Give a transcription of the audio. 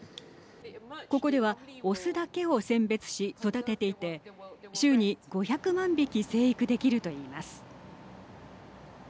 ここでは雄だけを選別し育てていて週に５００万匹生育できると言います。